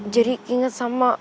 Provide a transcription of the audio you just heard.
jadi inget sama